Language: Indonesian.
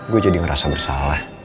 gue jadi ngerasa bersalah